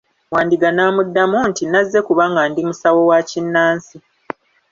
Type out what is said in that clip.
Wandiga n'amuddamu nti, nazze kubanga ndi musawo wakinnansi.